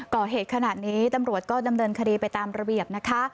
ก่อเหตุขนาดนี้ตำรวจก็ดำเนินคดีไปตามระเบียบนะคะ